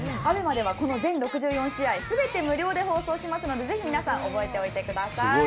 ＡＢＥＭＡではこの全６４試合全て無料で放送しますのでぜひ皆さん覚えておいてください。